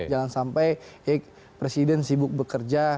jangan sampai presiden sibuk bekerja